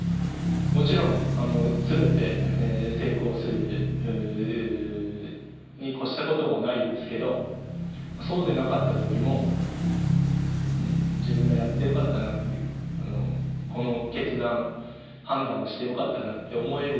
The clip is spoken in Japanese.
もちろん全て成功することに越したことはないですけどそうでなかった時も自分がやってよかったなってこの決断判断をしてよかったなって思えるようにしています。